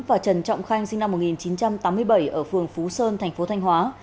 và trần trọng khanh sinh năm một nghìn chín trăm tám mươi bảy ở phường phú sơn thành phố thanh hóa